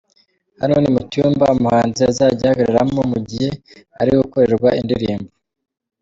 Hano ni mu cyumba umuhanzi azajya ahagararamo mu gihe ari gukorerwa indirimbo.